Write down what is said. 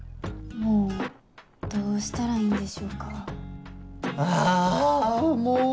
もうどうしたらいいんでしょうか。